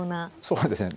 そうですね。